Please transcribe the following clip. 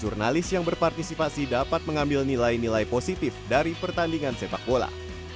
jurnalis yang berpartisipasi dapat mengambil nilai nilai positif dari pertandingan sepak bola